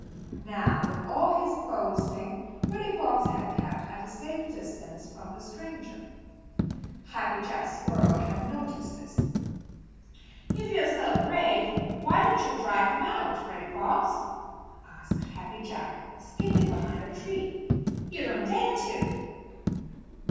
Now, with all his boasting Reddy Fox had kept at a safe distance from the stranger. Happy Jack Squirrel had noticed this. "If you're so brave, why don't you drive him out, Reddy Fox?" asked Happy Jack, skipping behind a tree. "You don't dare to!"